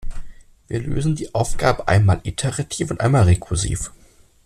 Wir lösen die Aufgabe einmal iterativ und einmal rekursiv.